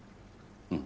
うん。